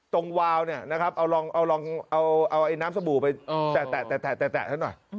ตรงวาวเอาน้ำสบู่ไปแตะน้อย